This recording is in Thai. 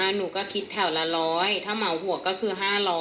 หนูก็คิดแถวละ๑๐๐ถ้าเหมาหัวก็คือ๕๐๐